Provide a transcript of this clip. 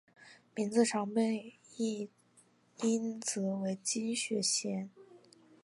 名字常被音译为金雪贤。